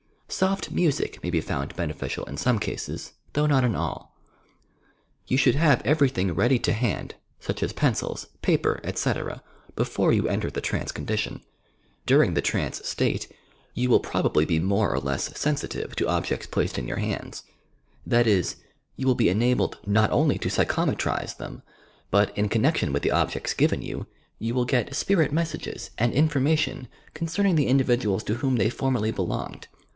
Soft music may be found beneficial in some cases, though not in all. You should have everything ready to band — such as pencils, paper, etc.— before you enter the trance condi tion. During the trance state you will probably be more or less sensitive to objects placed in your hands, — that is, you will be enabled not only to psychometrize them, but, in connection with the objects given you, you will get spirit messages and information concern ing the individuals to whom they formerly belonged.